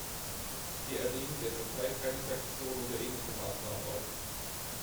Wir erlegen der Türkei keine Sanktionen oder ähnliche Maßnahmen auf.